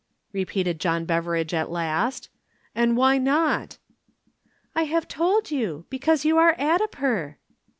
repeated John Beveridge at last. "And why not?" "I have told you. Because you are Addiper."